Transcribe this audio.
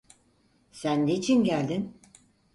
Sen niçin geldin?